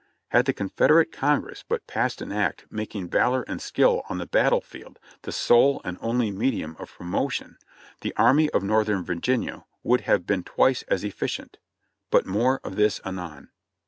Had the Confederate Congress but passed an act making valor and skill on the battle field the sole and only medium of promo tion, the Army of Northern Virginia would have been twice as efficient — but more of this anon.